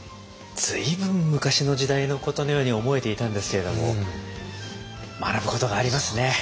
随分昔の時代のことのように思えていたんですけれども学ぶことがありますね。